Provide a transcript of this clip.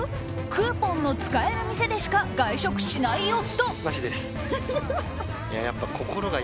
クーポンの使える店でしか外食しない夫。